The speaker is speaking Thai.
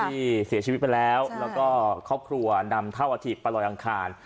ที่เสียชีวิตไปแล้วแล้วก็ครอบครัวนำเท่าอาทิตไปลอยอังคาร